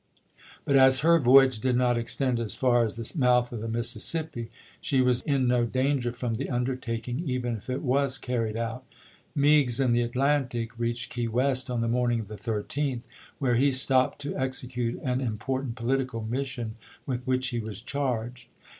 But as her voyage did not extend as far as the mouth of the Mississippi she was in no danger from the undertaking, even if it was carried out. Meigs, in the Atlantic, reached Key West on the Apru, 1861. morning of the 13th, where he stopped to execute an important political mission with which he was charged.